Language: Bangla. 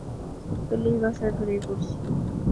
চল্লিশ বছর ধরেই পড়ছি।